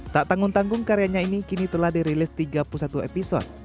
tak tanggung tanggung karyanya ini kini telah dirilis tiga puluh satu episode